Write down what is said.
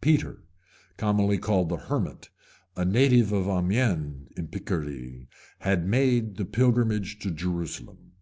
Peter, commonly called the Hermit, a native of Amiens, in Picardy, had made the pilgrimage to Jerusalem.